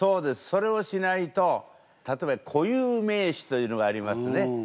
それをしないと例えば固有名詞というのがありますね。